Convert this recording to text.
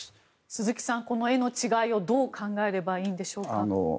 鈴木さん、この絵の違いをどう考えればいいんでしょうか？